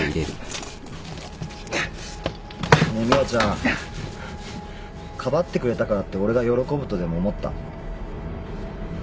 ねえ宮ちゃんかばってくれたからって俺が喜ぶとでも思った？